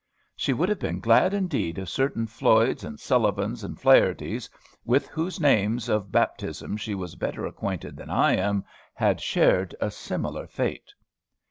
She would have been glad, indeed, if certain Floyds, and Sullivans, and Flahertys with whose names of baptism she was better acquainted than I am, had shared a similar fate.